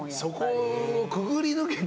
そこをくぐり抜けて。